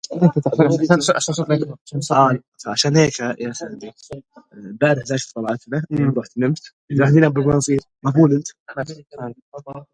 He also wrote the Statute of the Internal Service of the Lithuanian Armed Forces.